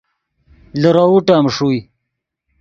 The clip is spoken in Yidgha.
لیروؤ ٹیم ݰوئے